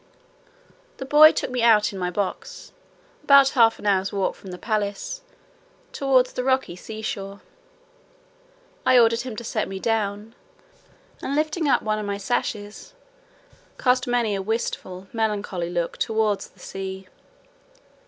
The boy took me out in my box, about half an hour's walk from the palace, towards the rocks on the sea shore. I ordered him to set me down, and lifting up one of my sashes, cast many a wistful melancholy look towards the sea.